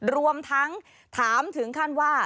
รวมทั้งถามถึงขั้นว่า